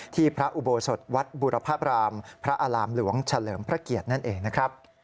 พระอุโบสถวัดบุรพรามพระอารามหลวงเฉลิมพระเกียรตินั่นเองนะครับ